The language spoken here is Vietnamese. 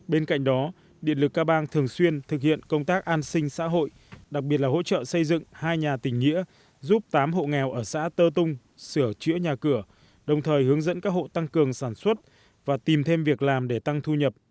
bên cạnh đó điện lực ca bang thường xuyên thực hiện công tác an sinh xã hội đặc biệt là hỗ trợ xây dựng hai nhà tình nghĩa giúp tám hộ nghèo ở xã tơ tung sửa chữa nhà cửa đồng thời hướng dẫn các hộ tăng cường sản xuất và tìm thêm việc làm để tăng thu nhập